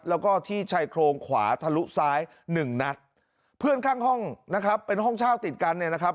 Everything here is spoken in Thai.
แล้วก็ที่ชายโครงขวาทะลุซ้ายหนึ่งนัดเพื่อนข้างห้องนะครับเป็นห้องเช่าติดกันเนี่ยนะครับ